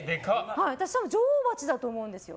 多分、女王バチだと思うんですよ。